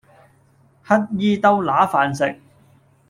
乞兒兜揦飯食